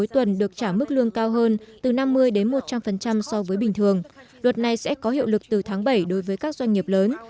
trăm phần trăm so với bình thường luật này sẽ có hiệu lực từ tháng bảy đối với các doanh nghiệp lớn